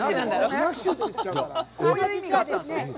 こういう意味があったんですね。